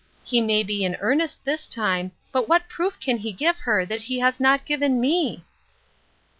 He may be in earnest this time, but what proof can he give her that he has not given me